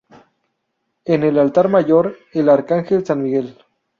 En el altar mayor, el Arcángel San Miguel.